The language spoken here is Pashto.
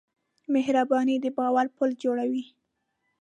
مهرباني د باور پُل جوړوي.